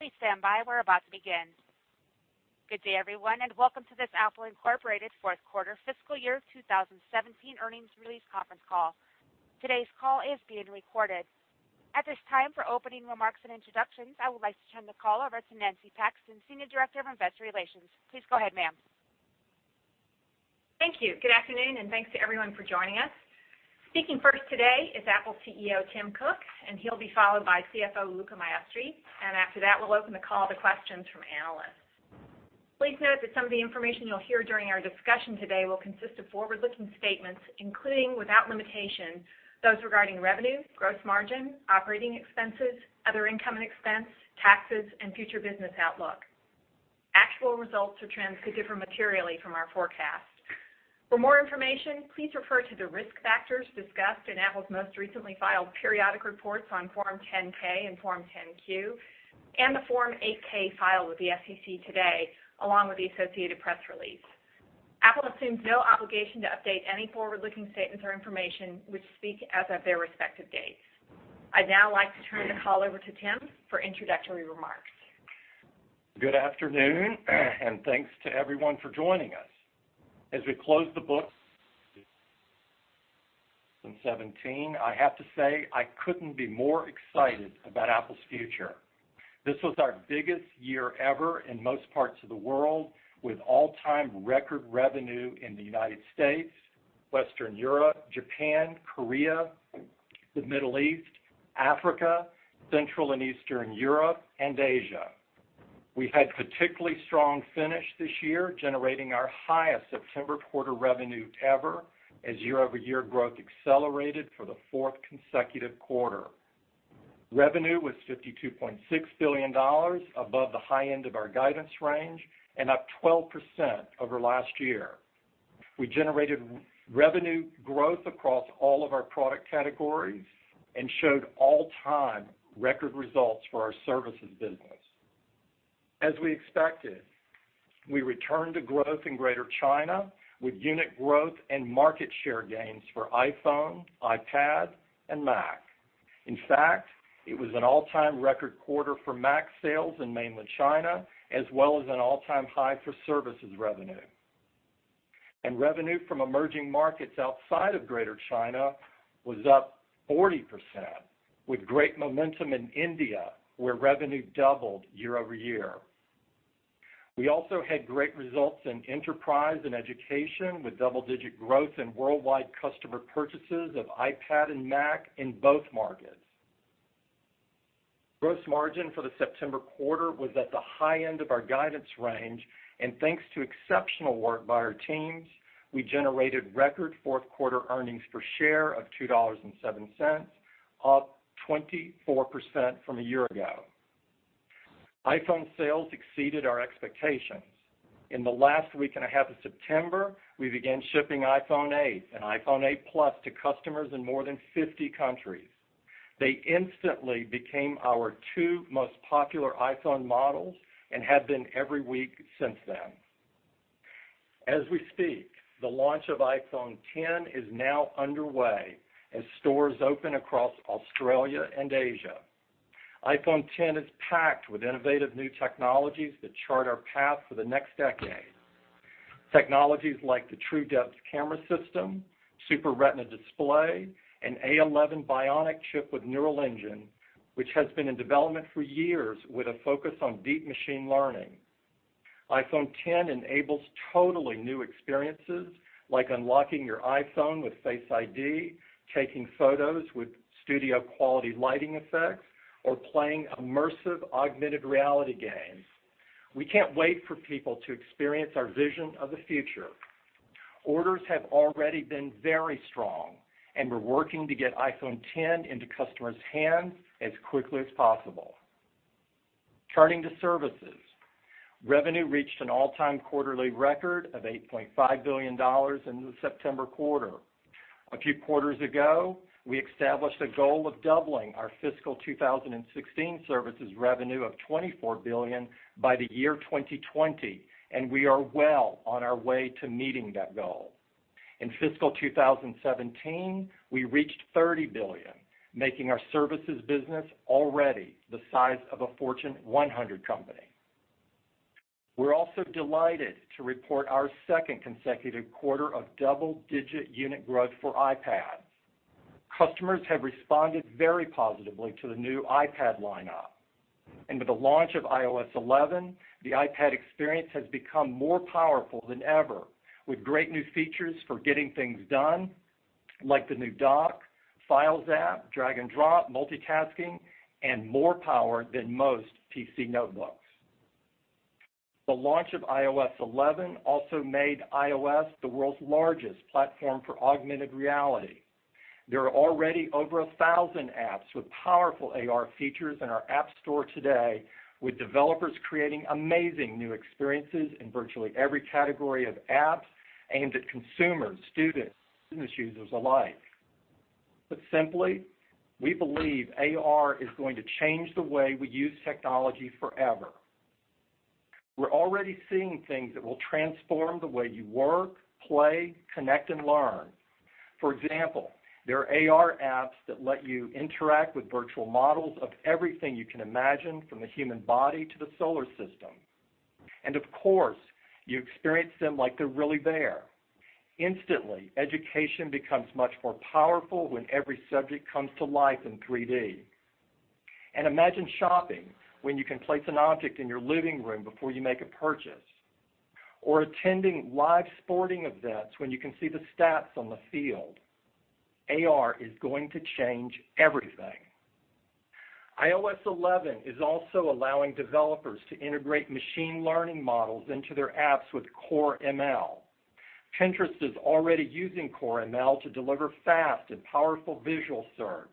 Please stand by. We're about to begin. Good day, everyone, and welcome to this Apple Inc. fourth quarter fiscal year 2017 earnings release conference call. Today's call is being recorded. At this time, for opening remarks and introductions, I would like to turn the call over to Nancy Paxton, Senior Director of Investor Relations. Please go ahead, ma'am. Thank you. Good afternoon and thanks to everyone for joining us. Speaking first today is Apple CEO Tim Cook. He'll be followed by CFO Luca Maestri. After that, we'll open the call to questions from analysts. Please note that some of the information you'll hear during our discussion today will consist of forward-looking statements, including, without limitation, those regarding revenue, gross margin, operating expenses, other income and expense, taxes, and future business outlook. Actual results or trends could differ materially from our forecast. For more information, please refer to the risk factors discussed in Apple's most recently filed periodic reports on Form 10-K and Form 10-Q, and the Form 8-K filed with the SEC today, along with the associated press release. Apple assumes no obligation to update any forward-looking statements or information which speak as of their respective dates. I'd now like to turn the call over to Tim for introductory remarks. Good afternoon, and thanks to everyone for joining us. As we close the books on 2017, I have to say, I couldn't be more excited about Apple's future. This was our biggest year ever in most parts of the world, with all-time record revenue in the United States, Western Europe, Japan, Korea, the Middle East, Africa, Central and Eastern Europe, and Asia. We had a particularly strong finish this year, generating our highest September quarter revenue ever as year-over-year growth accelerated for the fourth consecutive quarter. Revenue was $52.6 billion, above the high end of our guidance range and up 12% over last year. We generated revenue growth across all of our product categories and showed all-time record results for our services business. As we expected, we returned to growth in Greater China with unit growth and market share gains for iPhone, iPad, and Mac. In fact, it was an all-time record quarter for Mac sales in Mainland China, as well as an all-time high for services revenue. Revenue from emerging markets outside of Greater China was up 40%, with great momentum in India, where revenue doubled year-over-year. We also had great results in enterprise and education, with double-digit growth in worldwide customer purchases of iPad and Mac in both markets. Gross margin for the September quarter was at the high end of our guidance range, and thanks to exceptional work by our teams, we generated record fourth-quarter earnings per share of $2.07, up 24% from a year ago. iPhone sales exceeded our expectations. In the last week and a half of September, we began shipping iPhone 8 and iPhone 8 Plus to customers in more than 50 countries. They instantly became our two most popular iPhone models and have been every week since then. As we speak, the launch of iPhone X is now underway as stores open across Australia and Asia. iPhone X is packed with innovative new technologies that chart our path for the next decade. Technologies like the TrueDepth camera system, Super Retina display, and A11 Bionic chip with Neural Engine, which has been in development for years with a focus on deep machine learning. iPhone X enables totally new experiences like unlocking your iPhone with Face ID, taking photos with studio-quality lighting effects, or playing immersive augmented reality games. We can't wait for people to experience our vision of the future. Orders have already been very strong, and we're working to get iPhone X into customers' hands as quickly as possible. Turning to services. Revenue reached an all-time quarterly record of $8.5 billion in the September quarter. A few quarters ago, we established a goal of doubling our fiscal 2016 services revenue of $24 billion by the year 2020, and we are well on our way to meeting that goal. In fiscal 2017, we reached $30 billion, making our services business already the size of a Fortune 100 company. We're also delighted to report our second consecutive quarter of double-digit unit growth for iPad. Customers have responded very positively to the new iPad lineup. With the launch of iOS 11, the iPad experience has become more powerful than ever, with great new features for getting things done, like the new dock, files app, drag and drop, multitasking, and more power than most PC notebooks. The launch of iOS 11 also made iOS the world's largest platform for augmented reality. There are already over 1,000 apps with powerful AR features in our App Store today, with developers creating amazing new experiences in virtually every category of apps aimed at consumers, students, and business users alike. Put simply, we believe AR is going to change the way we use technology forever. We're already seeing things that will transform the way you work, play, connect, and learn. For example, there are AR apps that let you interact with virtual models of everything you can imagine, from the human body to the solar system. Of course, you experience them like they're really there. Instantly, education becomes much more powerful when every subject comes to life in 3D. Imagine shopping when you can place an object in your living room before you make a purchase, or attending live sporting events when you can see the stats on the field. AR is going to change everything. iOS 11 is also allowing developers to integrate machine learning models into their apps with Core ML. Pinterest is already using Core ML to deliver fast and powerful visual search.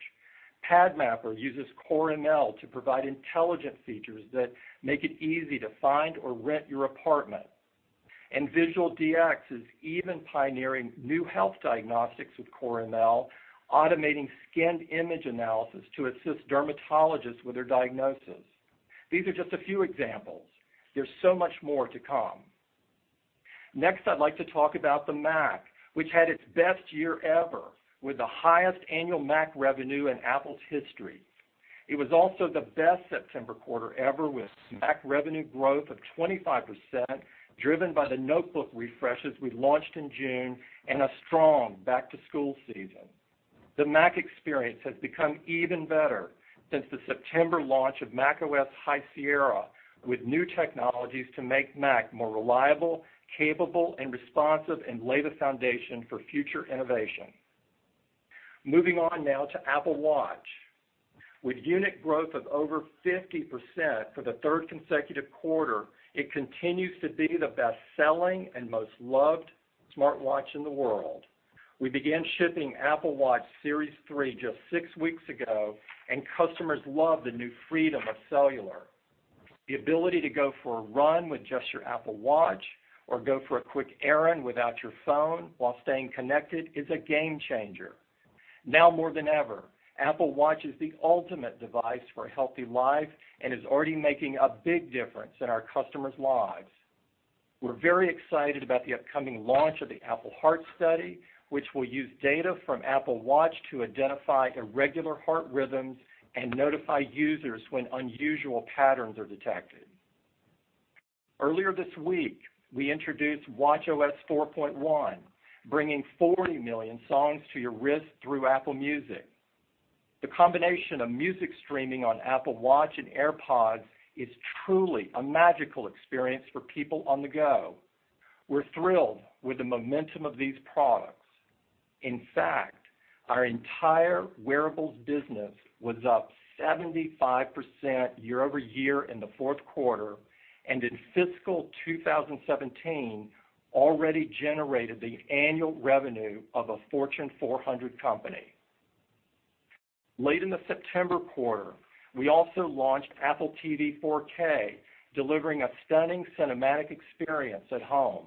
PadMapper uses Core ML to provide intelligent features that make it easy to find or rent your apartment. VisualDx is even pioneering new health diagnostics with Core ML, automating scanned image analysis to assist dermatologists with their diagnosis. These are just a few examples. There's so much more to come. Next, I'd like to talk about the Mac, which had its best year ever with the highest annual Mac revenue in Apple's history. It was also the best September quarter ever, with Mac revenue growth of 25%, driven by the notebook refreshes we launched in June and a strong back-to-school season. The Mac experience has become even better since the September launch of macOS High Sierra, with new technologies to make Mac more reliable, capable, and responsive, and lay the foundation for future innovation. Moving on now to Apple Watch. With unit growth of over 50% for the third consecutive quarter, it continues to be the best-selling and most loved smartwatch in the world. We began shipping Apple Watch Series 3 just six weeks ago, and customers love the new freedom of cellular. The ability to go for a run with just your Apple Watch or go for a quick errand without your phone while staying connected is a game changer. Now more than ever, Apple Watch is the ultimate device for a healthy life and is already making a big difference in our customers' lives. We're very excited about the upcoming launch of the Apple Heart Study, which will use data from Apple Watch to identify irregular heart rhythms and notify users when unusual patterns are detected. Earlier this week, we introduced watchOS 4.1, bringing 40 million songs to your wrist through Apple Music. The combination of music streaming on Apple Watch and AirPods is truly a magical experience for people on the go. We're thrilled with the momentum of these products. In fact, our entire wearables business was up 75% year-over-year in the fourth quarter, and in fiscal 2017 already generated the annual revenue of a Forbes 400 company. Late in the September quarter, we also launched Apple TV 4K, delivering a stunning cinematic experience at home.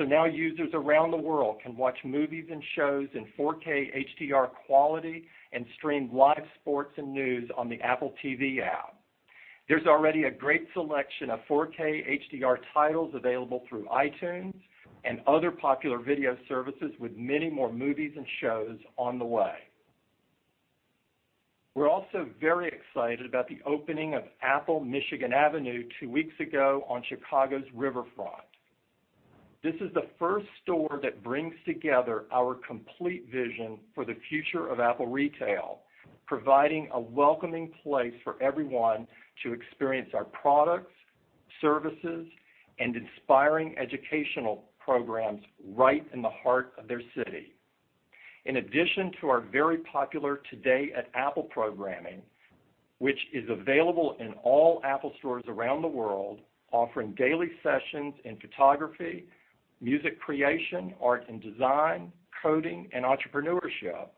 Now users around the world can watch movies and shows in 4K HDR quality and stream live sports and news on the Apple TV app. There's already a great selection of 4K HDR titles available through iTunes and other popular video services, with many more movies and shows on the way. We're also very excited about the opening of Apple Michigan Avenue two weeks ago on Chicago's riverfront. This is the first store that brings together our complete vision for the future of Apple retail, providing a welcoming place for everyone to experience our products, services, and inspiring educational programs right in the heart of their city. In addition to our very popular Today at Apple programming, which is available in all Apple Stores around the world, offering daily sessions in photography, music creation, art and design, coding, and entrepreneurship,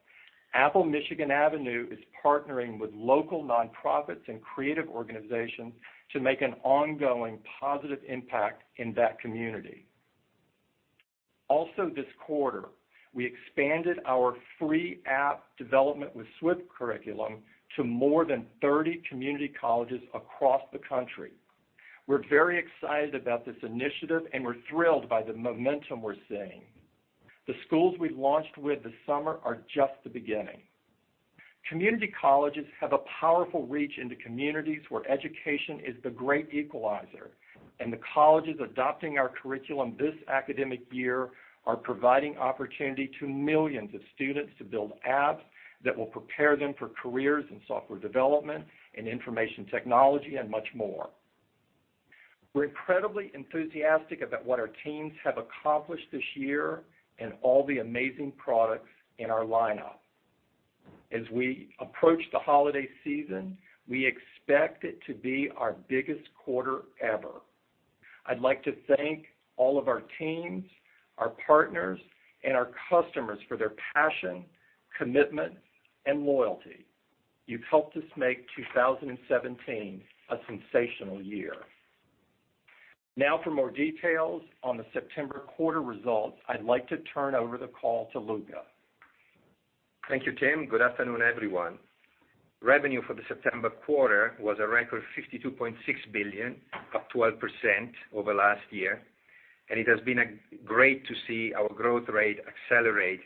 Apple Michigan Avenue is partnering with local nonprofits and creative organizations to make an ongoing positive impact in that community. Also this quarter, we expanded our free app development with Swift curriculum to more than 30 community colleges across the country. We're very excited about this initiative, and we're thrilled by the momentum we're seeing. The schools we've launched with this summer are just the beginning. Community colleges have a powerful reach into communities where education is the great equalizer, and the colleges adopting our curriculum this academic year are providing opportunity to millions of students to build apps that will prepare them for careers in software development and information technology, and much more. We're incredibly enthusiastic about what our teams have accomplished this year and all the amazing products in our lineup. As we approach the holiday season, we expect it to be our biggest quarter ever. I'd like to thank all of our teams, our partners, and our customers for their passion, commitment, and loyalty. You've helped us make 2017 a sensational year. Now for more details on the September quarter results, I'd like to turn over the call to Luca. Thank you, Tim. Good afternoon, everyone. Revenue for the September quarter was a record $52.6 billion, up 12% over last year, and it has been great to see our growth rate accelerate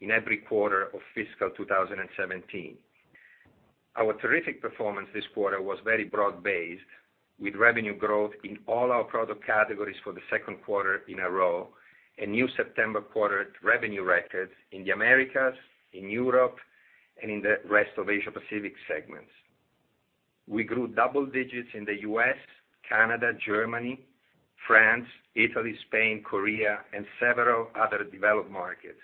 in every quarter of fiscal 2017. Our terrific performance this quarter was very broad-based, with revenue growth in all our product categories for the second quarter in a row, and new September quarter revenue records in the Americas, in Europe, and in the rest of Asia-Pacific segments. We grew double digits in the U.S., Canada, Germany, France, Italy, Spain, Korea, and several other developed markets.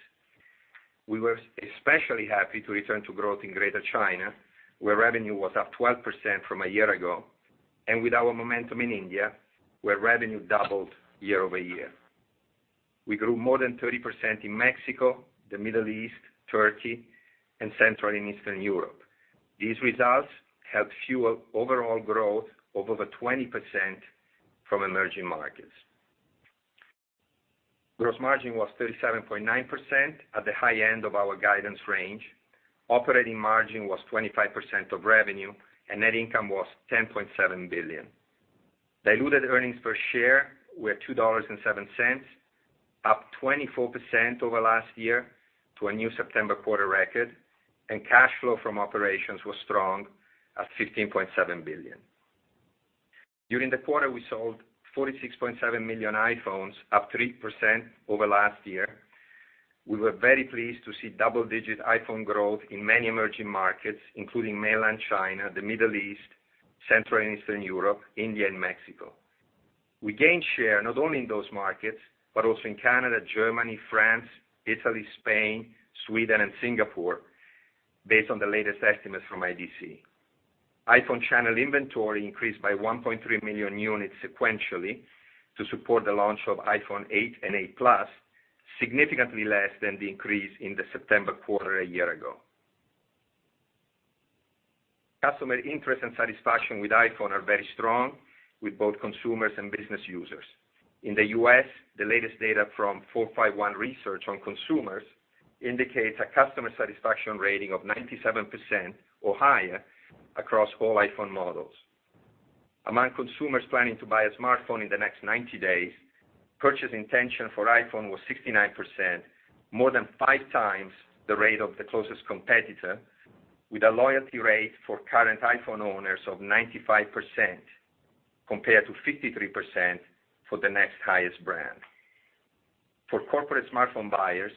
We were especially happy to return to growth in Greater China, where revenue was up 12% from a year ago, and with our momentum in India, where revenue doubled year-over-year. We grew more than 30% in Mexico, the Middle East, Turkey, and Central and Eastern Europe. These results helped fuel overall growth of over 20% from emerging markets. Gross margin was 37.9% at the high end of our guidance range. Operating margin was 25% of revenue, and net income was $10.7 billion. Diluted earnings per share were $2.07, up 24% over last year to a new September quarter record, and cash flow from operations was strong at $15.7 billion. During the quarter, we sold 46.7 million iPhones, up 3% over last year. We were very pleased to see double-digit iPhone growth in many emerging markets, including Mainland China, the Middle East, Central and Eastern Europe, India, and Mexico. We gained share not only in those markets, but also in Canada, Germany, France, Italy, Spain, Sweden, and Singapore based on the latest estimates from IDC. iPhone channel inventory increased by 1.3 million units sequentially to support the launch of iPhone 8 and 8 Plus, significantly less than the increase in the September quarter a year ago. Customer interest and satisfaction with iPhone are very strong with both consumers and business users. In the U.S., the latest data from 451 Research on consumers indicates a customer satisfaction rating of 97% or higher across all iPhone models. Among consumers planning to buy a smartphone in the next 90 days, purchase intention for iPhone was 69%, more than five times the rate of the closest competitor, with a loyalty rate for current iPhone owners of 95%, compared to 53% for the next highest brand. For corporate smartphone buyers,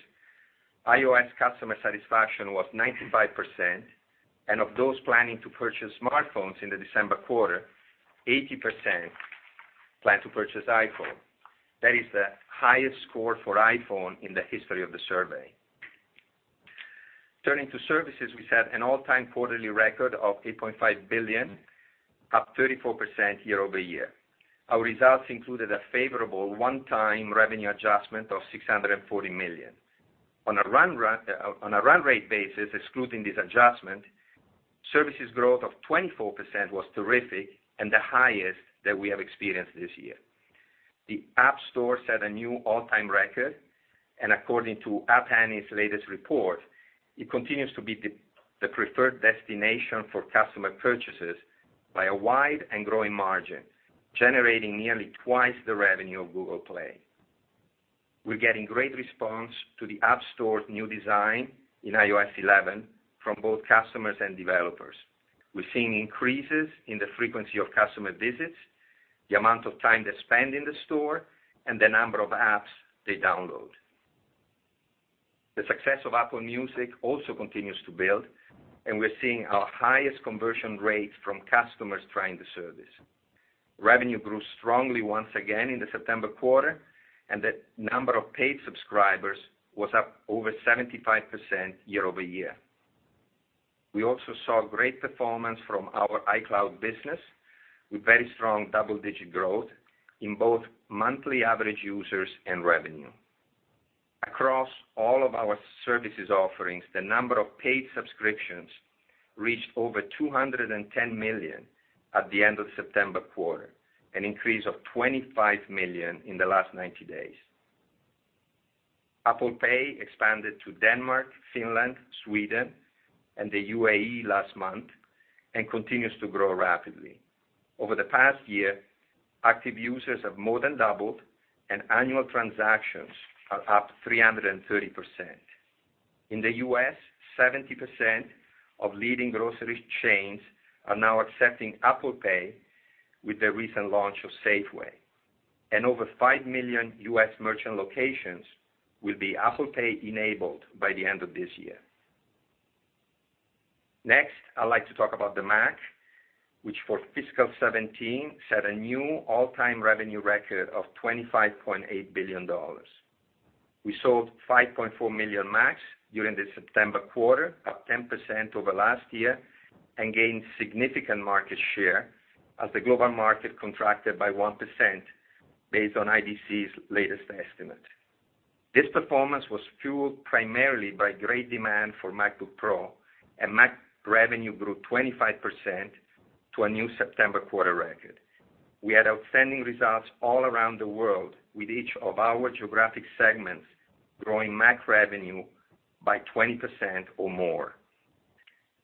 iOS customer satisfaction was 95%, and of those planning to purchase smartphones in the December quarter, 80% plan to purchase iPhone. That is the highest score for iPhone in the history of the survey. Turning to services, we set an all-time quarterly record of $8.5 billion, up 34% year-over-year. Our results included a favorable one-time revenue adjustment of $640 million. On a run rate basis, excluding this adjustment, services growth of 24% was terrific, the highest that we have experienced this year. The App Store set a new all-time record, and according to App Annie's latest report, it continues to be the preferred destination for customer purchases by a wide and growing margin, generating nearly twice the revenue of Google Play. We're getting great response to the App Store's new design in iOS 11 from both customers and developers. We've seen increases in the frequency of customer visits, the amount of time they spend in the store, and the number of apps they download. The success of Apple Music also continues to build, we're seeing our highest conversion rates from customers trying the service. Revenue grew strongly once again in the September quarter, and the number of paid subscribers was up over 75% year-over-year. We also saw great performance from our iCloud business, with very strong double-digit growth in both monthly average users and revenue. Across all of our services offerings, the number of paid subscriptions reached over $210 million at the end of September quarter, an increase of $25 million in the last 90 days. Apple Pay expanded to Denmark, Finland, Sweden, and the UAE last month, and continues to grow rapidly. Over the past year, active users have more than doubled, and annual transactions are up 330%. In the U.S., 70% of leading grocery chains are now accepting Apple Pay with the recent launch of Safeway, and over five million U.S. merchant locations will be Apple Pay enabled by the end of this year. Next, I'd like to talk about the Mac, which for fiscal 2017 set a new all-time revenue record of $25.8 billion. We sold 5.4 million Macs during the September quarter, up 10% over last year, and gained significant market share as the global market contracted by 1% based on IDC's latest estimate. This performance was fueled primarily by great demand for MacBook Pro, and Mac revenue grew 25% to a new September quarter record. We had outstanding results all around the world with each of our geographic segments growing Mac revenue by 20% or more.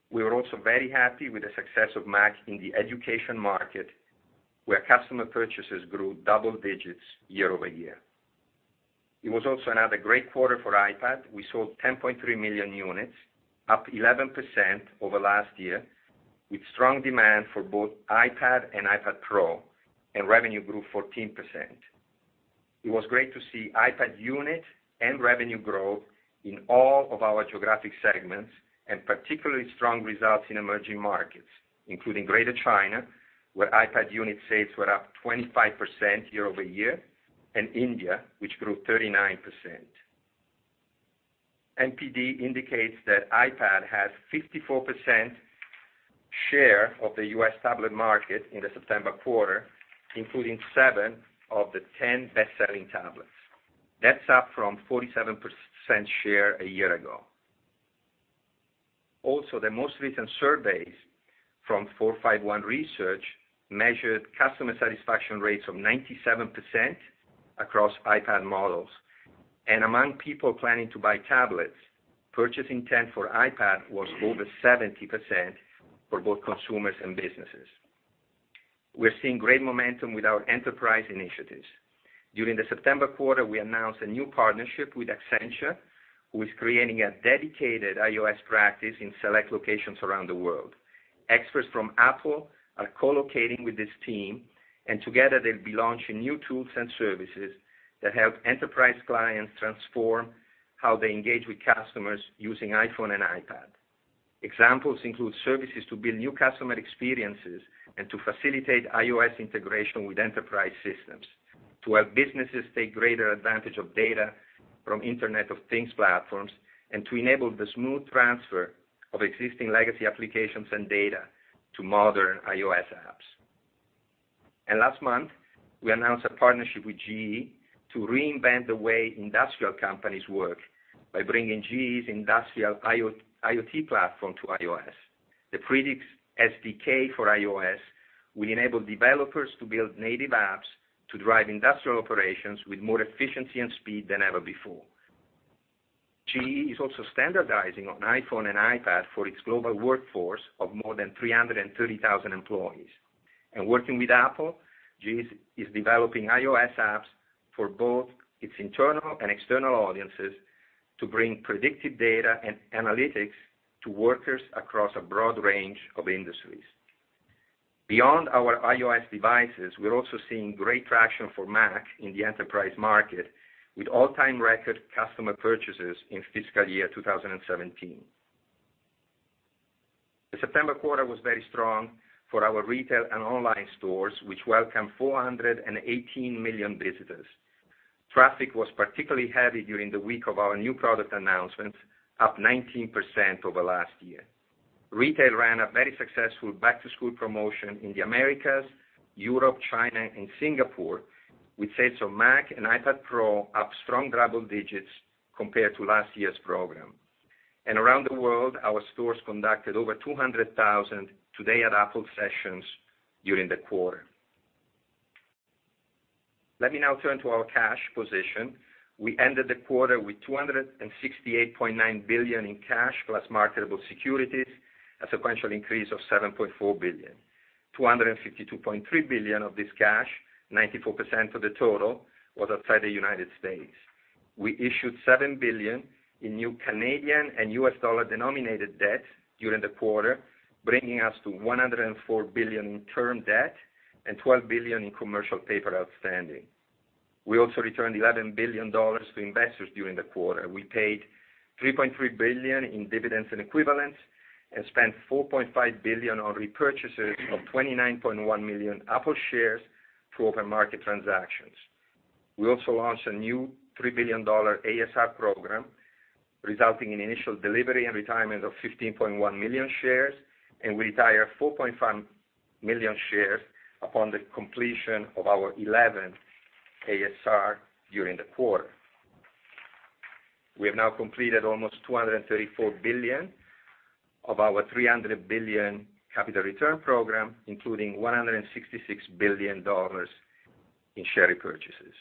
We were also very happy with the success of Mac in the education market, where customer purchases grew double digits year-over-year. It was also another great quarter for iPad. We sold 10.3 million units, up 11% over last year, with strong demand for both iPad and iPad Pro, and revenue grew 14%. It was great to see iPad unit and revenue growth in all of our geographic segments, and particularly strong results in emerging markets, including Greater China, where iPad unit sales were up 25% year-over-year, and India, which grew 39%. NPD indicates that iPad has 54% share of the U.S. tablet market in the September quarter, including seven of the 10 best-selling tablets. That's up from 47% share a year ago. Also, the most recent surveys from 451 Research measured customer satisfaction rates of 97% across iPad models. Among people planning to buy tablets, purchase intent for iPad was over 70% for both consumers and businesses. We're seeing great momentum with our enterprise initiatives. During the September quarter, we announced a new partnership with Accenture, who is creating a dedicated iOS practice in select locations around the world. Experts from Apple are co-locating with this team, and together they'll be launching new tools and services that help enterprise clients transform how they engage with customers using iPhone and iPad. Examples include services to build new customer experiences and to facilitate iOS integration with enterprise systems, to help businesses take greater advantage of data from Internet of Things platforms, and to enable the smooth transfer of existing legacy applications and data to modern iOS apps. Last month, we announced a partnership with GE to reinvent the way industrial companies work by bringing GE's industrial IoT platform to iOS. The Predix SDK for iOS will enable developers to build native apps to drive industrial operations with more efficiency and speed than ever before. GE is also standardizing on iPhone and iPad for its global workforce of more than 330,000 employees. Working with Apple, GE is developing iOS apps for both its internal and external audiences to bring predictive data and analytics to workers across a broad range of industries. Beyond our iOS devices, we're also seeing great traction for Mac in the enterprise market, with all-time record customer purchases in fiscal year 2017. The September quarter was very strong for our retail and online stores, which welcomed 418 million visitors. Traffic was particularly heavy during the week of our new product announcements, up 19% over last year. Retail ran a very successful back-to-school promotion in the Americas, Europe, China, and Singapore, with sales of Mac and iPad Pro up strong double digits compared to last year's program. Around the world, our stores conducted over 200,000 Today at Apple sessions during the quarter. Let me now turn to our cash position. We ended the quarter with $268.9 billion in cash plus marketable securities, a sequential increase of $7.4 billion. $252.3 billion of this cash, 94% of the total, was outside the U.S. We issued $7 billion in new Canadian and U.S. dollar-denominated debt during the quarter, bringing us to $104 billion in term debt and $12 billion in commercial paper outstanding. We also returned $11 billion to investors during the quarter. We paid $3.3 billion in dividends and equivalents and spent $4.5 billion on repurchases of 29.1 million Apple shares through open market transactions. We also launched a new $3 billion ASR program, resulting in initial delivery and retirement of 15.1 million shares, and we retired 4.5 million shares upon the completion of our 11th ASR during the quarter. We have now completed almost $234 billion of our $300 billion capital return program, including $166 billion in share repurchases.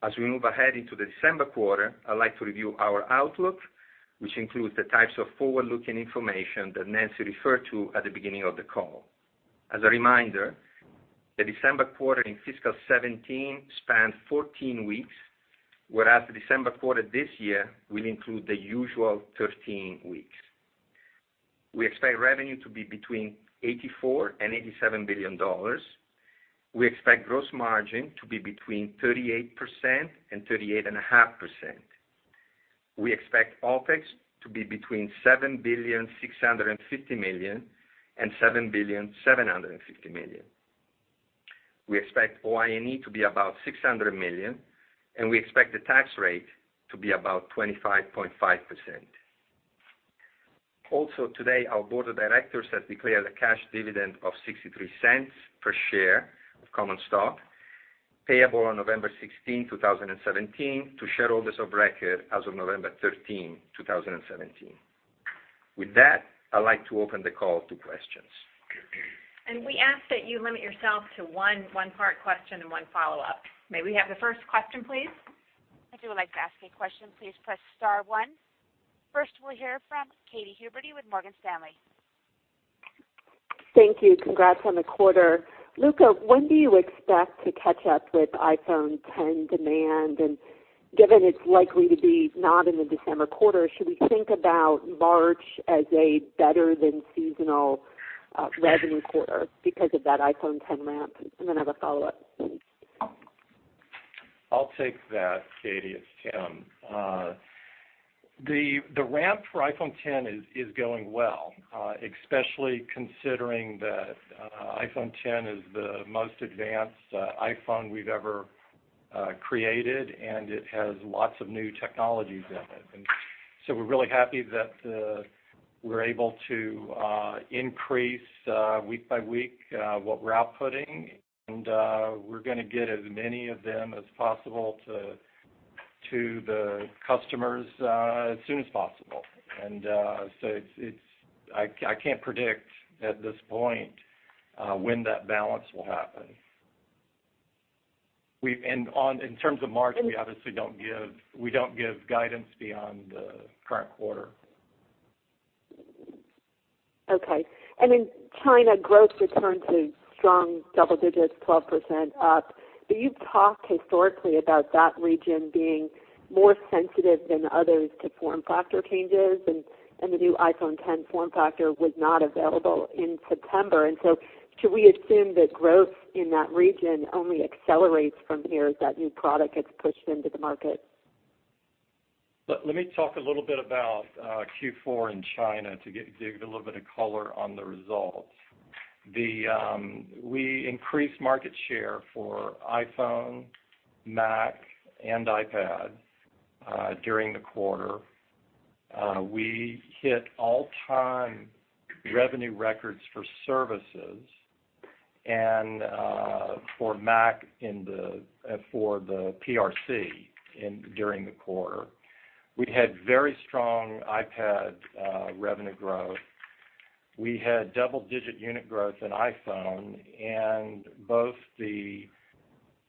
As we move ahead into the December quarter, I'd like to review our outlook, which includes the types of forward-looking information that Nancy referred to at the beginning of the call. As a reminder, the December quarter in fiscal 2017 spanned 14 weeks, whereas the December quarter this year will include the usual 13 weeks. We expect revenue to be between $84 billion-$87 billion. We expect gross margin to be between 38%-38.5%. We expect OpEx to be between $7.65 billion-$7.75 billion. We expect OINE to be about $600 million, and we expect the tax rate to be about 25.5%. Today, our board of directors has declared a cash dividend of $0.63 per share of common stock, payable on November 16, 2017, to shareholders of record as of November 13, 2017. With that, I'd like to open the call to questions. We ask that you limit yourself to one part question and one follow-up. May we have the first question, please? If you would like to ask a question, please press star one. First, we'll hear from Katy Huberty with Morgan Stanley. Thank you. Congrats on the quarter. Luca, when do you expect to catch up with iPhone X demand? Given it's likely to be not in the December quarter, should we think about March as a better than seasonal revenue quarter because of that iPhone X ramp? Then I have a follow-up. I'll take that, Katy. It's Tim. The ramp for iPhone X is going well, especially considering that iPhone X is the most advanced iPhone we've ever created, and it has lots of new technologies in it. So we're really happy that we're able to increase week by week what we're outputting, and we're going to get as many of them as possible to the customers as soon as possible. So I can't predict at this point when that balance will happen. In terms of March, we obviously don't give guidance beyond the current quarter. Okay. In China, growth returned to strong double digits, 12% up. You've talked historically about that region being more sensitive than others to form factor changes, and the new iPhone X form factor was not available in September. So should we assume that growth in that region only accelerates from here as that new product gets pushed into the market? Let me talk a little bit about Q4 in China to give a little bit of color on the results. We increased market share for iPhone, Mac, and iPad during the quarter. We hit all-time revenue records for services and for Mac and for the PRC during the quarter. We had very strong iPad revenue growth. We had double-digit unit growth in iPhone, and both the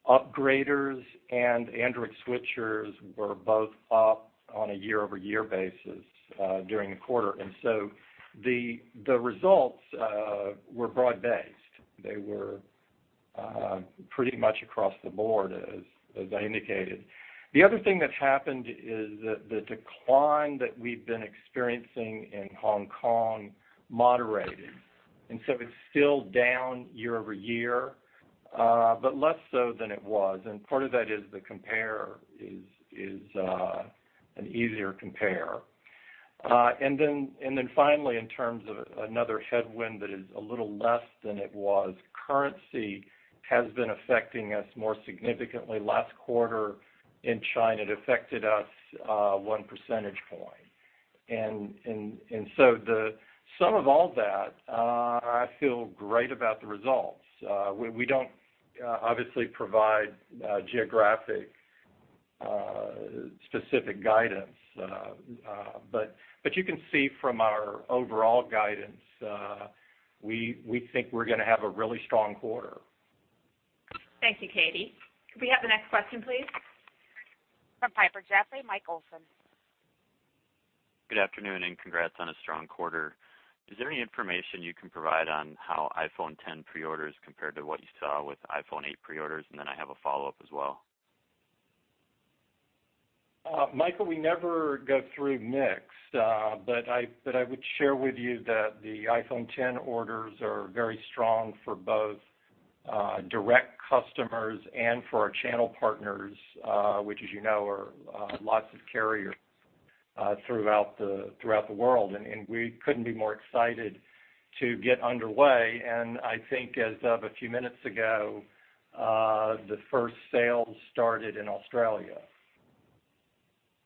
upgraders and Android switchers were both up on a year-over-year basis during the quarter. The results were broad-based. They were pretty much across the board, as I indicated. The other thing that happened is that the decline that we've been experiencing in Hong Kong moderated, it's still down year-over-year, but less so than it was, and part of that is the compare is an easier compare. Finally, in terms of another headwind that is a little less than it was, currency has been affecting us more significantly. Last quarter in China, it affected us one percentage point. The sum of all that, I feel great about the results. We don't obviously provide geographic-specific guidance, but you can see from our overall guidance, we think we're going to have a really strong quarter. Thank you, Katy. Could we have the next question, please? From Piper Jaffray, Michael Olson. Good afternoon, congrats on a strong quarter. Is there any information you can provide on how iPhone X pre-orders compared to what you saw with iPhone 8 pre-orders? I have a follow-up as well. Michael, we never go through mix, I would share with you that the iPhone X orders are very strong for both direct customers and for our channel partners, which as you know, are lots of carriers throughout the world, we couldn't be more excited to get underway. I think as of a few minutes ago, the first sales started in Australia.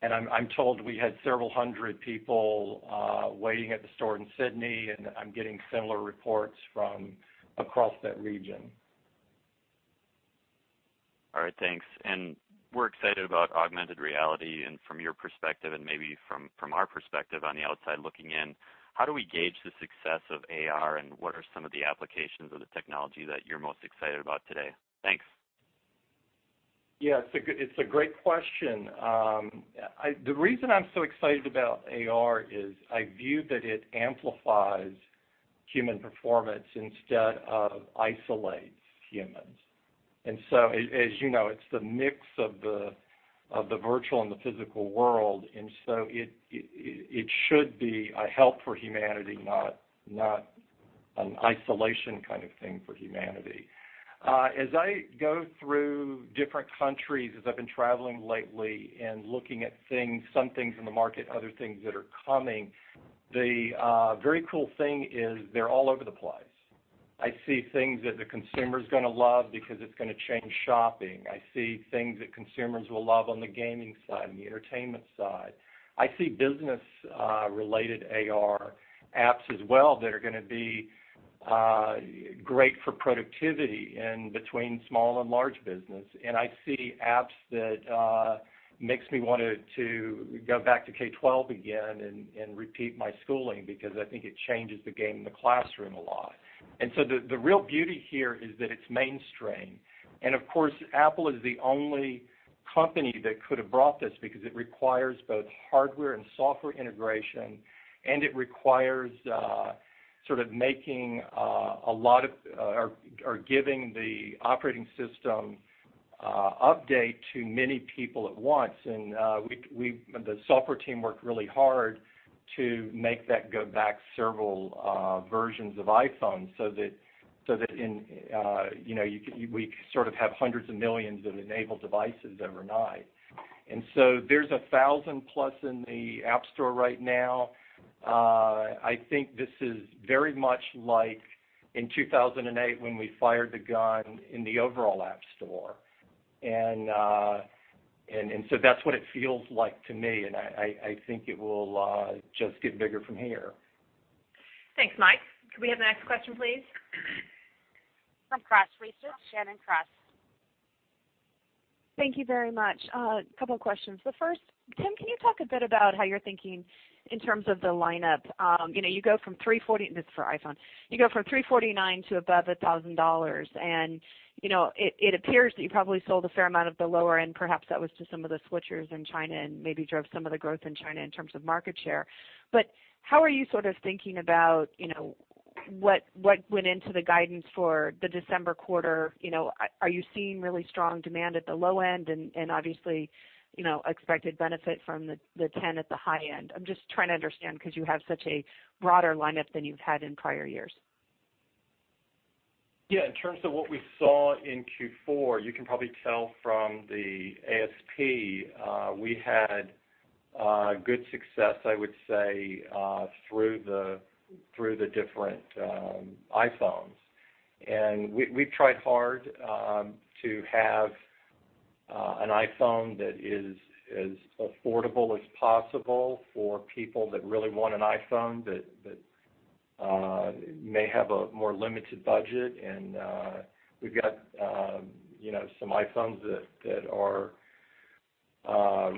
I'm told we had several hundred people waiting at the store in Sydney, I'm getting similar reports from across that region. All right, thanks. We're excited about augmented reality from your perspective, maybe from our perspective on the outside looking in, how do we gauge the success of AR and what are some of the applications of the technology that you're most excited about today? Thanks. Yeah, it's a great question. The reason I'm so excited about AR is I view that it amplifies human performance instead of isolates humans. As you know, it's the mix of the virtual and the physical world, it should be a help for humanity, not an isolation kind of thing for humanity. As I go through different countries, as I've been traveling lately and looking at things, some things in the market, other things that are coming, the very cool thing is they're all over the place. I see things that the consumer's going to love because it's going to change shopping. I see things that consumers will love on the gaming side and the entertainment side. I see business-related AR apps as well that are going to be great for productivity and between small and large business. I see apps that makes me want to go back to K12 again and repeat my schooling because I think it changes the game in the classroom a lot. The real beauty here is that it's mainstream. Of course, Apple is the only company that could have brought this because it requires both hardware and software integration, and it requires sort of making a lot of, or giving the operating system update to many people at once. The software team worked really hard to make that go back several versions of iPhone so that we could sort of have hundreds of millions of enabled devices overnight. There's 1,000 plus in the App Store right now. I think this is very much like in 2008 when we fired the gun in the overall App Store. That's what it feels like to me, and I think it will just get bigger from here. Thanks, Mike. Could we have the next question, please? From Cross Research, Shannon Cross. Thank you very much. A couple of questions. The first, Tim, can you talk a bit about how you're thinking in terms of the lineup? You go from $340, this is for iPhone. You go from $349 to above $1,000. It appears that you probably sold a fair amount of the lower end, perhaps that was to some of the switchers in China and maybe drove some of the growth in China in terms of market share. How are you sort of thinking about what went into the guidance for the December quarter? Are you seeing really strong demand at the low end and obviously, expected benefit from the X at the high end? I'm just trying to understand because you have such a broader lineup than you've had in prior years. Yeah. In terms of what we saw in Q4, you can probably tell from the ASP, we had good success, I would say, through the different iPhones. We've tried hard to have an iPhone that is as affordable as possible for people that really want an iPhone that may have a more limited budget. We've got some iPhones that are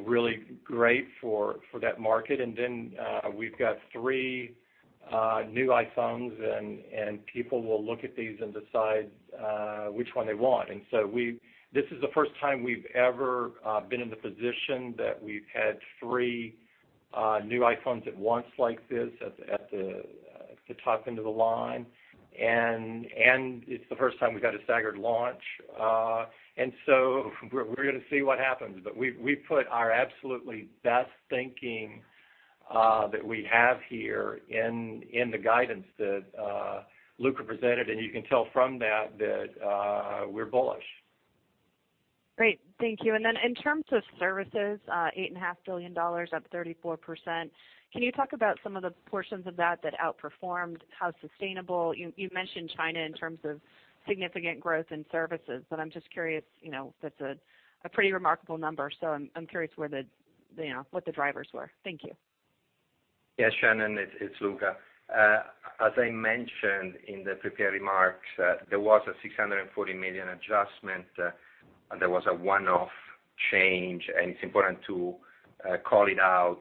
really great for that market. Then, we've got 3 new iPhones, and people will look at these and decide which one they want. This is the first time we've ever been in the position that we've had 3 new iPhones at once like this at the top end of the line. It's the first time we've had a staggered launch. We're going to see what happens, but we've put our absolutely best thinking that we have here in the guidance that Luca presented, and you can tell from that we're bullish. Great. Thank you. In terms of services, $8.5 billion, up 34%. Can you talk about some of the portions of that outperformed, how sustainable? You mentioned China in terms of significant growth in services, I'm just curious, that's a pretty remarkable number, so I'm curious what the drivers were. Thank you. Yes, Shannon, it's Luca. As I mentioned in the prepared remarks, there was a $640 million adjustment, there was a one-off change, and it's important to call it out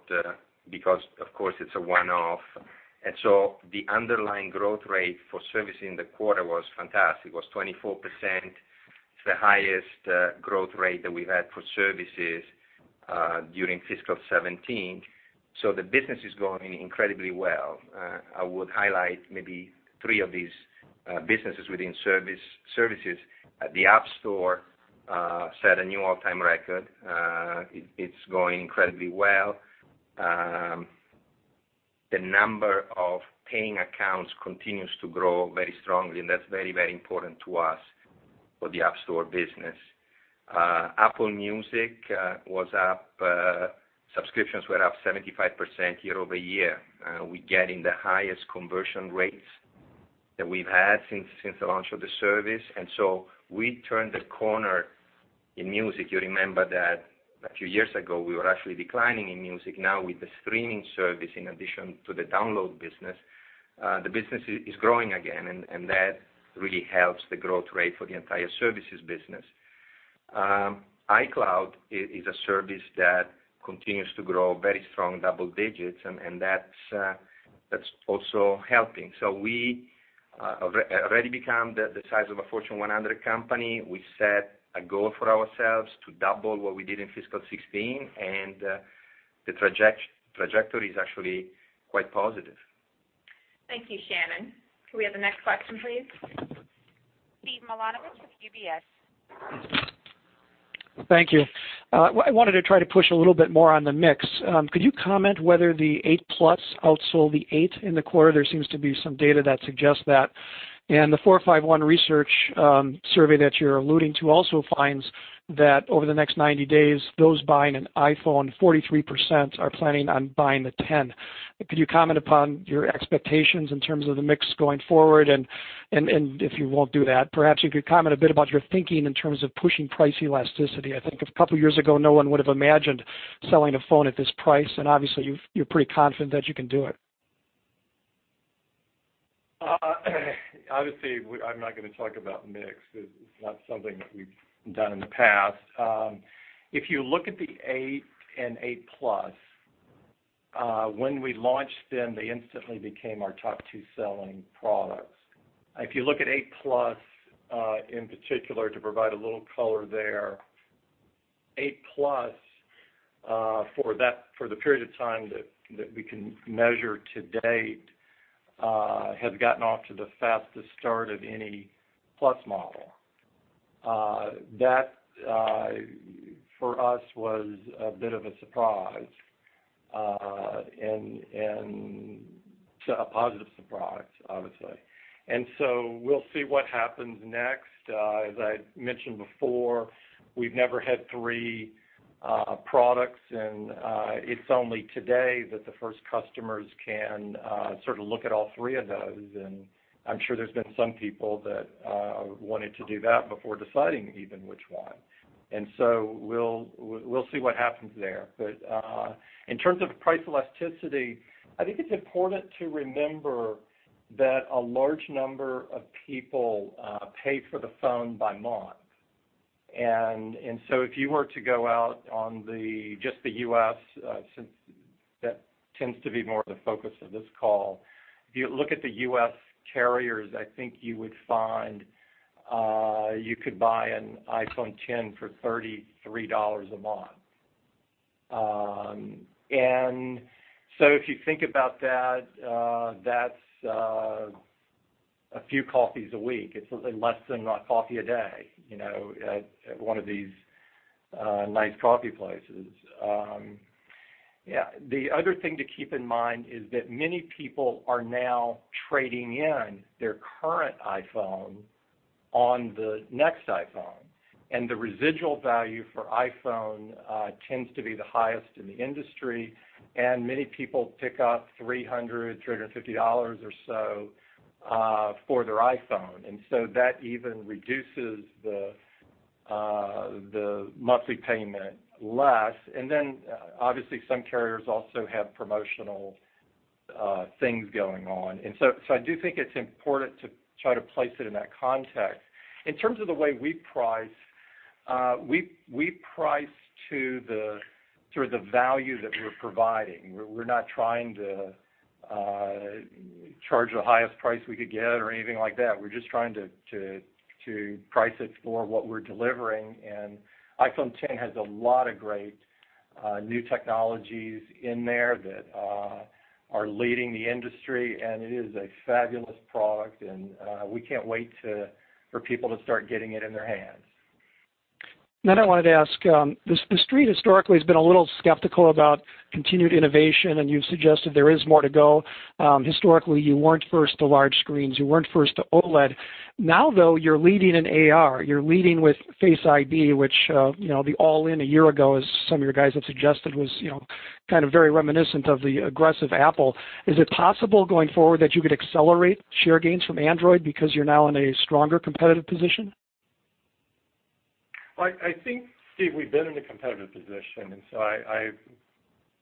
because, of course, it's a one-off. The underlying growth rate for services in the quarter was fantastic. It was 24%, the highest growth rate that we've had for services during fiscal 2017, so the business is going incredibly well. I would highlight maybe three of these businesses within services. The App Store set a new all-time record. It's going incredibly well. The number of paying accounts continues to grow very strongly, and that's very, very important to us for the App Store business. Apple Music was up, subscriptions were up 75% year-over-year. We're getting the highest conversion rates that we've had since the launch of the service. We turned the corner in music. You remember that a few years ago, we were actually declining in music. Now with the streaming service, in addition to the download business, the business is growing again, and that really helps the growth rate for the entire services business. iCloud is a service that continues to grow very strong double digits, and that's also helping. We already become the size of a Fortune 100 company. We set a goal for ourselves to double what we did in fiscal 2016, and the trajectory is actually quite positive. Thank you, Shannon. Could we have the next question, please? Steven Milunovich with UBS. Thank you. I wanted to try to push a little bit more on the mix. Could you comment whether the 8 Plus outsold the 8 in the quarter? There seems to be some data that suggests that. The 451 Research survey that you're alluding to also finds that over the next 90 days, those buying an iPhone, 43% are planning on buying the X. Could you comment upon your expectations in terms of the mix going forward? If you won't do that, perhaps you could comment a bit about your thinking in terms of pushing price elasticity. I think a couple of years ago, no one would have imagined selling a phone at this price, and obviously you're pretty confident that you can do it. Obviously, I'm not going to talk about mix. It's not something that we've done in the past. If you look at the 8 and 8 Plus, when we launched them, they instantly became our top two selling products. If you look at 8 Plus, in particular, to provide a little color there, 8 Plus, for the period of time that we can measure to date, has gotten off to the fastest start of any Plus model. That for us was a bit of a surprise, and a positive surprise, obviously. So we'll see what happens next. As I mentioned before, we've never had three products and it's only today that the first customers can sort of look at all three of those, and I'm sure there's been some people that wanted to do that before deciding even which one. So we'll see what happens there. In terms of price elasticity, I think it's important to remember that a large number of people pay for the phone by month. If you were to go out on just the U.S., since that tends to be more of the focus of this call, if you look at the U.S. carriers, I think you would find, you could buy an iPhone X for $33 a month. If you think about that's a few coffees a week. It's less than coffee a day, at one of these nice coffee places. The other thing to keep in mind is that many people are now trading in their current iPhone on the next iPhone, and the residual value for iPhone, tends to be the highest in the industry, and many people pick up $300, $350 or so, for their iPhone. That even reduces the monthly payment less. Obviously some carriers also have promotional things going on. I do think it's important to try to place it in that context. In terms of the way we price, we price to the value that we're providing. We're not trying to charge the highest price we could get or anything like that. We're just trying to price it for what we're delivering, and iPhone X has a lot of great new technologies in there that are leading the industry, and it is a fabulous product and we can't wait for people to start getting it in their hands. I wanted to ask, the Street historically has been a little skeptical about continued innovation, and you've suggested there is more to go. Historically, you weren't first to large screens. You weren't first to OLED. Now though, you're leading in AR, you're leading with Face ID, which the all-in a year ago, as some of your guys have suggested, was very reminiscent of the aggressive Apple. Is it possible going forward that you could accelerate share gains from Android because you're now in a stronger competitive position? I think, Steve, we've been in a competitive position. I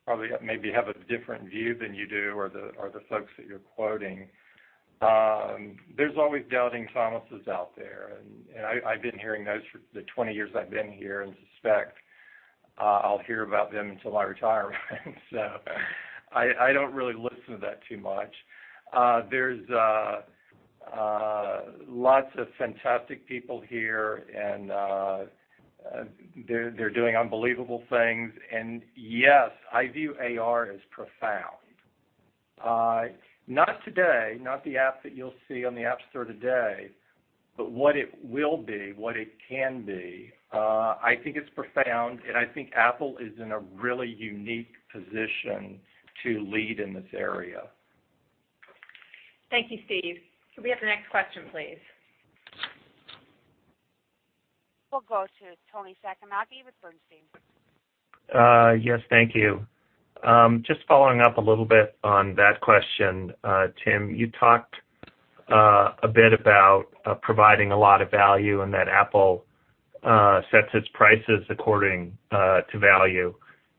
probably maybe have a different view than you do or the folks that you're quoting. There's always doubting Thomases out there, and I've been hearing those for the 20 years I've been here and suspect I'll hear about them until I retire. I don't really listen to that too much. There's lots of fantastic people here and they're doing unbelievable things. Yes, I view AR as profound. Not today, not the app that you'll see on the App Store today, but what it will be, what it can be, I think it's profound, and I think Apple is in a really unique position to lead in this area. Thank you, Steve. Could we have the next question, please? We'll go to Toni Sacconaghi with Bernstein. Yes, thank you. Just following up a little bit on that question, Tim, you talked a bit about providing a lot of value and that Apple sets its prices according to value.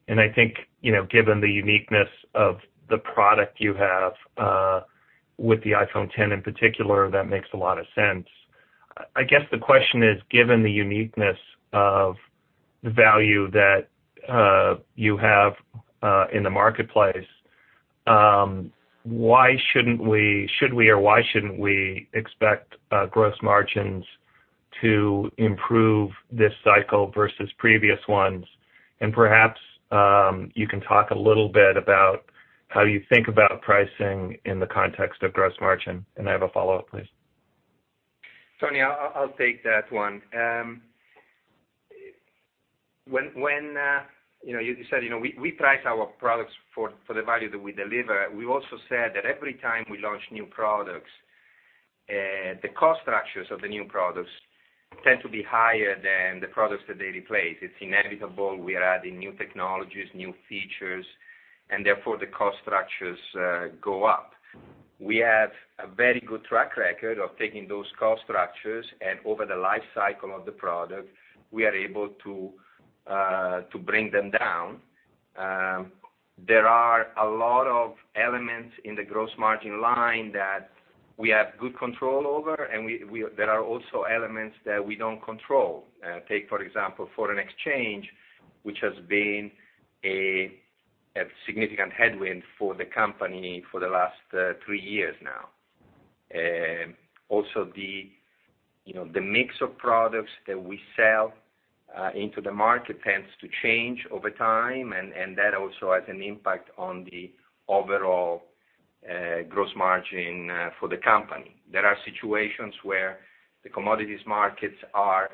I think, given the uniqueness of the product you have, with the iPhone X in particular, that makes a lot of sense. I guess the question is, given the uniqueness of the value that you have in the marketplace, should we or why shouldn't we expect gross margins to improve this cycle versus previous ones? Perhaps, you can talk a little bit about how you think about pricing in the context of gross margin. I have a follow-up, please. Toni, I'll take that one. You said we price our products for the value that we deliver. We also said that every time we launch new products, the cost structures of the new products tend to be higher than the products that they replace. It's inevitable. We are adding new technologies, new features, and therefore the cost structures go up. We have a very good track record of taking those cost structures, and over the life cycle of the product, we are able to bring them down. There are a lot of elements in the gross margin line that we have good control over, and there are also elements that we don't control. Take, for example, foreign exchange, which has been a significant headwind for the company for the last three years now. The mix of products that we sell into the market tends to change over time, and that also has an impact on the overall gross margin for the company. There are situations where the commodities markets are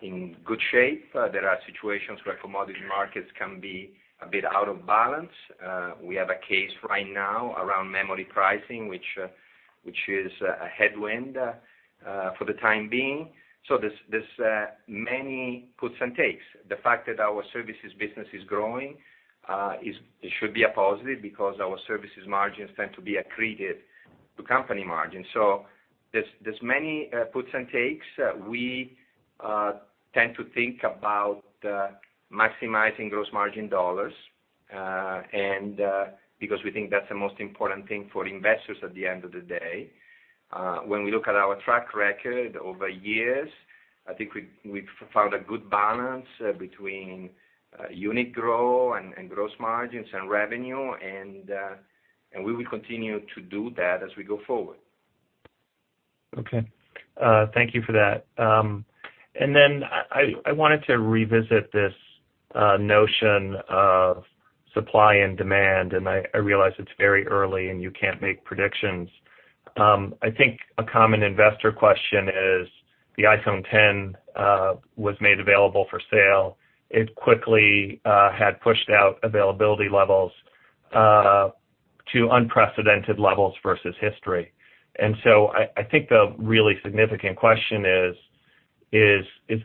in good shape. There are situations where commodity markets can be a bit out of balance. We have a case right now around memory pricing, which is a headwind for the time being. There's many puts and takes. The fact that our services business is growing should be a positive because our services margins tend to be accretive to company margins. There's many puts and takes. We tend to think about maximizing gross margin dollars, because we think that's the most important thing for investors at the end of the day. When we look at our track record over years, I think we've found a good balance between unit growth and gross margins and revenue, and we will continue to do that as we go forward. Okay. Thank you for that. I wanted to revisit this notion of supply and demand. I realize it's very early and you can't make predictions. I think a common investor question is, the iPhone X was made available for sale. It quickly had pushed out availability levels to unprecedented levels versus history. I think the really significant question is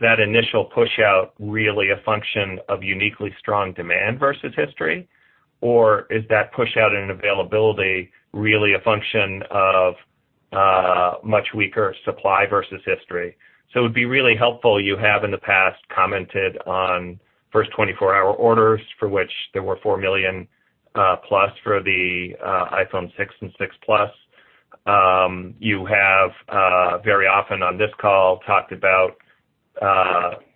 that initial push-out really a function of uniquely strong demand versus history, or is that push-out in availability really a function of much weaker supply versus history? It would be really helpful. You have in the past commented on first 24-hour orders, for which there were 4 million plus for the iPhone 6 and 6 Plus. You have very often on this call talked about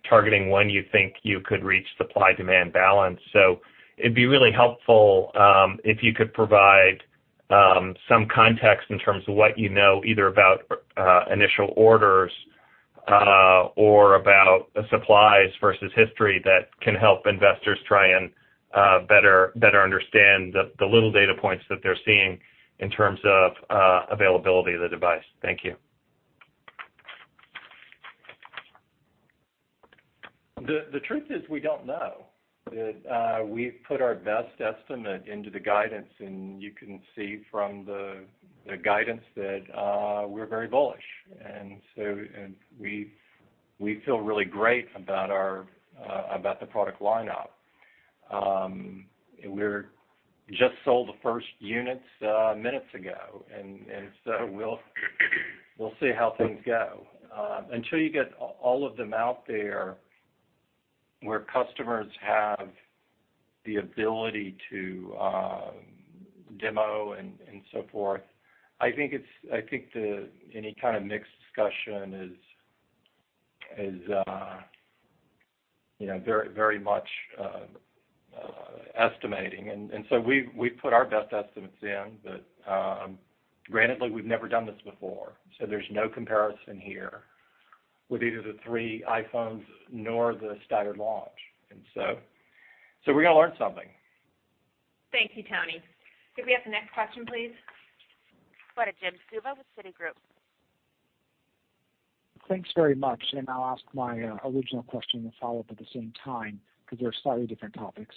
targeting when you think you could reach supply-demand balance. It would be really helpful if you could provide some context in terms of what you know, either about initial orders or about supplies versus history that can help investors try and better understand the little data points that they're seeing in terms of availability of the device. Thank you. The truth is, we don't know. We've put our best estimate into the guidance. You can see from the guidance that we're very bullish. We feel really great about the product lineup. We just sold the first units minutes ago. We'll see how things go. Until you get all of them out there where customers have the ability to demo and so forth, I think any kind of mixed discussion is very much estimating. We've put our best estimates in, but grantedly, we've never done this before. There's no comparison here with either the three iPhones nor the staggered launch. We're going to learn something. Thank you, Toni. Could we have the next question, please? Go ahead, Jim Suva with Citigroup. Thanks very much. I'll ask my original question and follow-up at the same time because they're slightly different topics.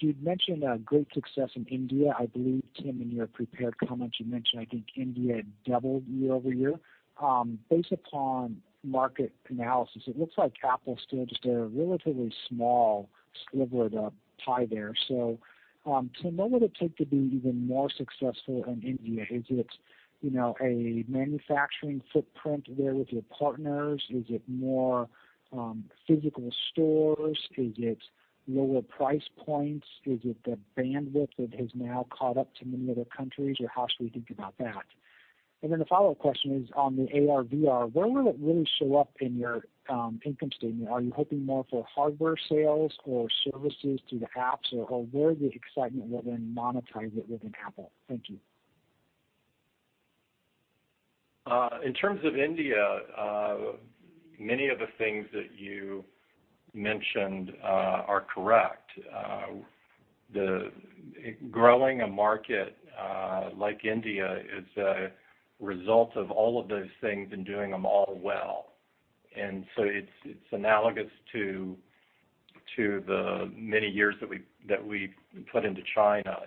You'd mentioned a great success in India. I believe, Tim, in your prepared comments, you mentioned, I think India doubled year-over-year. Based upon market analysis, it looks like Apple is still just a relatively small sliver of the pie there. Tim, what would it take to be even more successful in India? Is it a manufacturing footprint there with your partners? Is it more physical stores? Is it lower price points? Is it the bandwidth that has now caught up to many other countries? Or how should we think about that? Then the follow-up question is on the ARVR, where will it really show up in your income statement? Are you hoping more for hardware sales or services through the apps, or where the excitement, where then monetize it within Apple? Thank you. In terms of India, many of the things that you mentioned are correct. Growing a market like India is a result of all of those things and doing them all well. It's analogous to the many years that we've put into China.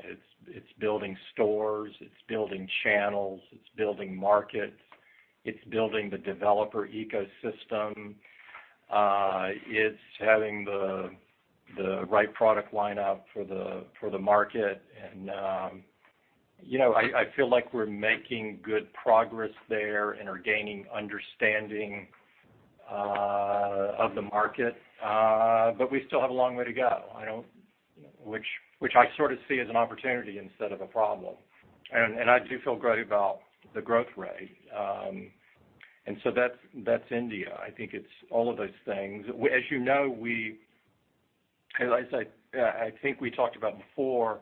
It's building stores, it's building channels, it's building markets, it's building the developer ecosystem, it's having the right product lineup for the market and I feel like we're making good progress there and are gaining understanding of the market, but we still have a long way to go, which I sort of see as an opportunity instead of a problem. I do feel great about the growth rate. That's India. I think it's all of those things. As I said, I think we talked about before,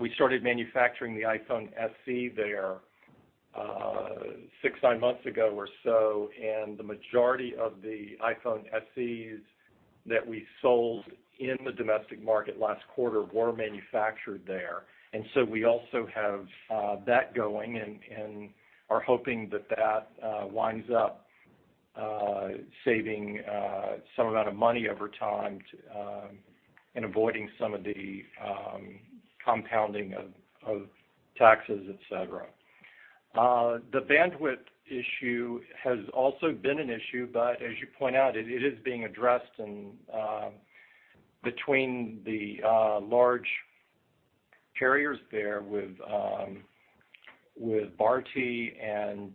we started manufacturing the iPhone SE there six, nine months ago or so, and the majority of the iPhone SEs that we sold in the domestic market last quarter were manufactured there. We also have that going and are hoping that that winds up saving some amount of money over time and avoiding some of the compounding of taxes, et cetera. The bandwidth issue has also been an issue, but as you point out, it is being addressed between the large carriers there with Bharti and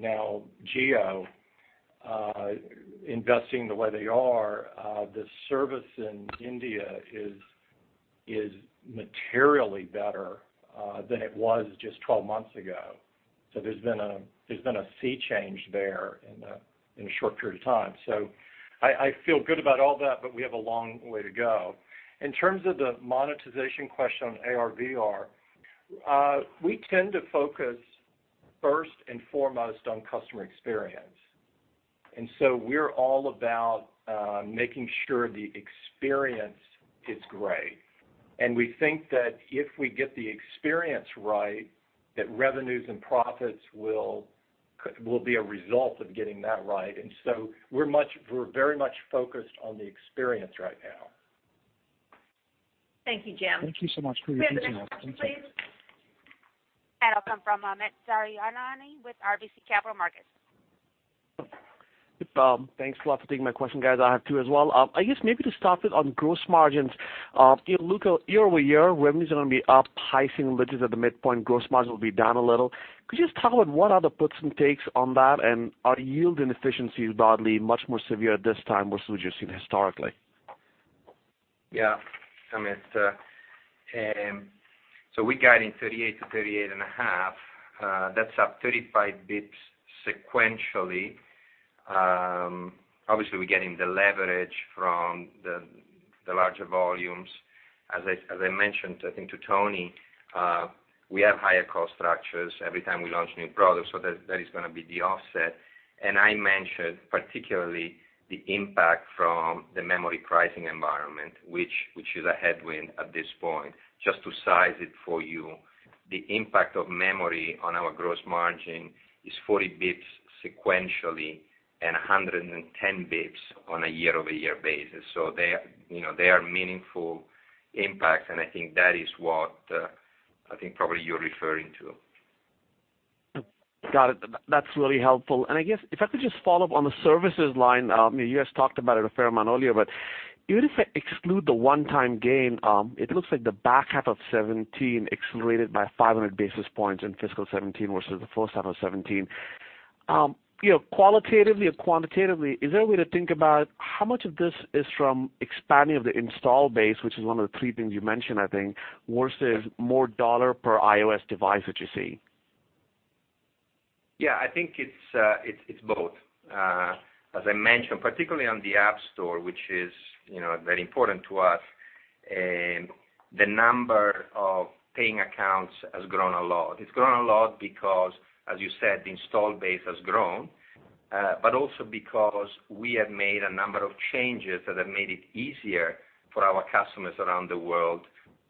now Jio investing the way they are, the service in India is materially better than it was just 12 months ago. There's been a sea change there in a short period of time. I feel good about all that, but we have a long way to go. In terms of the monetization question on AR/VR, we tend to focus first and foremost on customer experience. We're all about making sure the experience is great, and we think that if we get the experience right, that revenues and profits will be a result of getting that right, and so we're very much focused on the experience right now. Thank you, Jim. Thank you so much for your questions. Can we have the next question, please? That will come from Amit Daryanani with RBC Capital Markets. Thanks a lot for taking my question, guys. I have two as well. I guess maybe to start with on gross margins, year-over-year, revenues are going to be up high single digits at the midpoint, gross margin will be down a little. Could you just talk about what are the puts and takes on that? Are yield inefficiencies broadly much more severe this time versus what you've seen historically? Yeah. Amit, we guide in 38%-38.5%. That's up 35 basis points sequentially. Obviously, we're getting the leverage from the larger volumes. As I mentioned, I think to Toni, we have higher cost structures every time we launch new products. That is going to be the offset. I mentioned particularly the impact from the memory pricing environment, which is a headwind at this point. Just to size it for you, the impact of memory on our gross margin is 40 basis points sequentially and 110 basis points on a year-over-year basis. They are meaningful impacts, and I think that is what I think probably you're referring to. Got it. That's really helpful. I guess if I could just follow up on the services line, you guys talked about it a fair amount earlier, but even if I exclude the one-time gain, it looks like the back half of 2017 accelerated by 500 basis points in fiscal 2017 versus the first half of 2017. Qualitatively or quantitatively, is there a way to think about how much of this is from expanding of the install base, which is one of the three things you mentioned, I think, versus more $ per iOS device that you see? Yeah, I think it's both. As I mentioned, particularly on the App Store, which is very important to us, the number of paying accounts has grown a lot. It's grown a lot because, as you said, the install base has grown, but also because we have made a number of changes that have made it easier for our customers around the world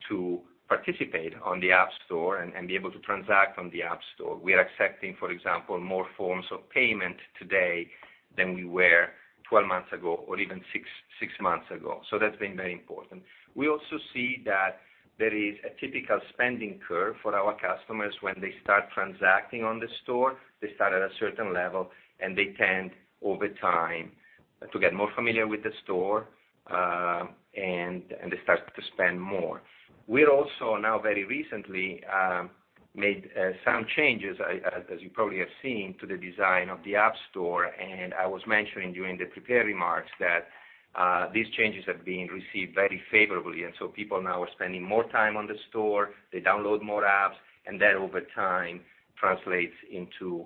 to participate on the App Store and be able to transact on the App Store. We are accepting, for example, more forms of payment today than we were 12 months ago or even 6 months ago. That's been very important. We also see that there is a typical spending curve for our customers when they start transacting on the store. They start at a certain level, and they tend over time to get more familiar with the store, and they start to spend more. We also now very recently made some changes, as you probably have seen, to the design of the App Store. I was mentioning during the prepared remarks that these changes have been received very favorably, and people now are spending more time on the store, they download more apps, and that over time translates into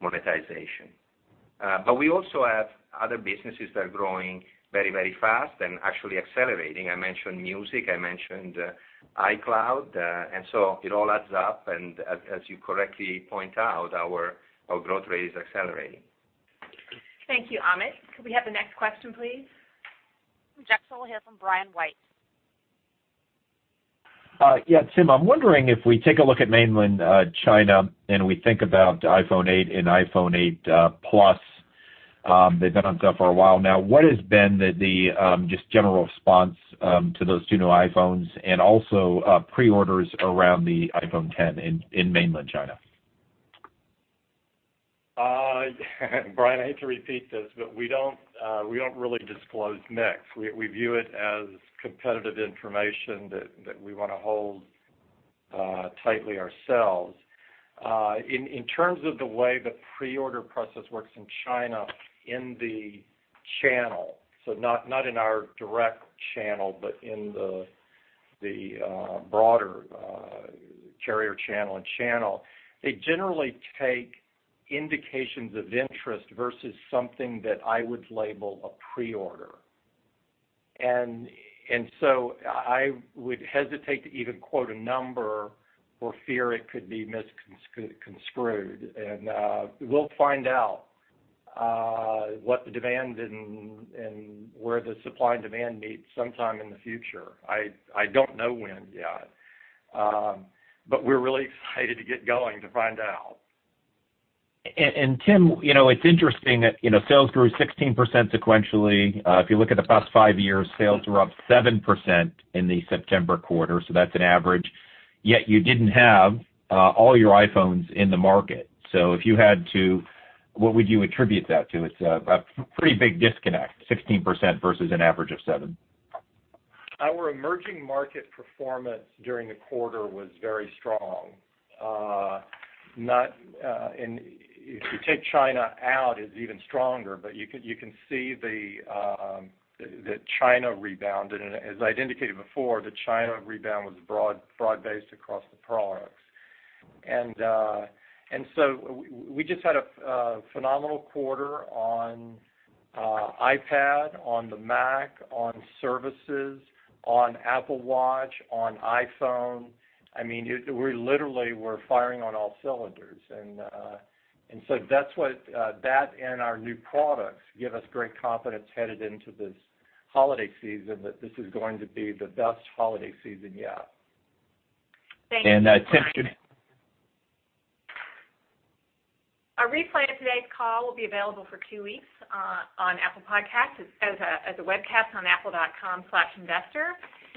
monetization. We also have other businesses that are growing very fast and actually accelerating. I mentioned Music, I mentioned iCloud, and it all adds up, and as you correctly point out, our growth rate is accelerating. Thank you, Amit. Could we have the next question, please? Drexel Hamilton, we'll hear from Brian White. Tim, I'm wondering if we take a look at Mainland China and we think about iPhone 8 and iPhone 8 Plus, they've been on sale for a while now. What has been the just general response to those two new iPhones and also pre-orders around the iPhone X in Mainland China? Brian, I hate to repeat this, we don't really disclose mix. We view it as competitive information that we want to hold tightly ourselves. In terms of the way the pre-order process works in China, in the channel, so not in our direct channel, but in the broader carrier channel and channel, they generally take indications of interest versus something that I would label a pre-order. I would hesitate to even quote a number for fear it could be misconstrued. We'll find out what the demand and where the supply and demand meet sometime in the future. I don't know when yet. We're really excited to get going to find out. Tim, it's interesting that sales grew 16% sequentially. If you look at the past five years, sales were up 7% in the September quarter, so that's an average, yet you didn't have all your iPhones in the market. If you had to, what would you attribute that to? It's a pretty big disconnect, 16% versus an average of seven. Our emerging market performance during the quarter was very strong. If you take China out, it's even stronger, but you can see the China rebound. As I indicated before, the China rebound was broad-based across the products. We just had a phenomenal quarter on iPad, on the Mac, on services, on Apple Watch, on iPhone. We literally were firing on all cylinders. That and our new products give us great confidence headed into this holiday season that this is going to be the best holiday season yet. Thank you, Brian. Tim- A replay of today's call will be available for two weeks on Apple Podcasts, as a webcast on apple.com/investor,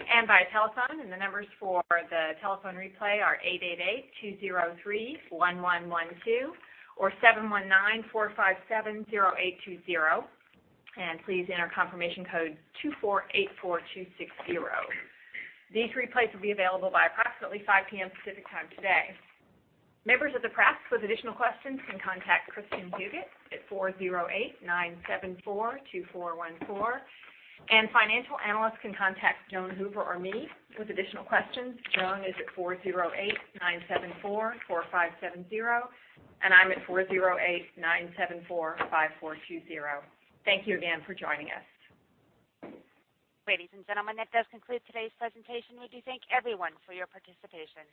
and via telephone. The numbers for the telephone replay are 888-203-1112 or 719-457-0820. Please enter confirmation code 2484260. These replays will be available by approximately 5:00 P.M. Pacific Time today. Members of the press with additional questions can contact Kristin Huguet at 408-974-2414, and financial analysts can contact Joan Hooper or me with additional questions. Joan is at 408-974-4570, and I'm at 408-974-5420. Thank you again for joining us. Ladies and gentlemen, that does conclude today's presentation. We do thank everyone for your participation.